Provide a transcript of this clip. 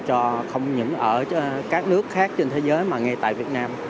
cho không những ở các nước khác trên thế giới mà ngay tại việt nam